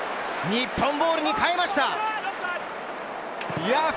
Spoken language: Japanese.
日本ボールに変えました！